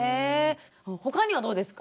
他にはどうですか？